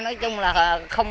nói chung là không mong